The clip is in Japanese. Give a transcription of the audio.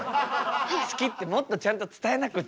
好きってもっとちゃんと伝えなくっちゃ。